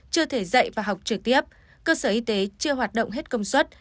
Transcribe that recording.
chưa thể dạy và học trực tiếp cơ sở y tế chưa hoạt động hết công suất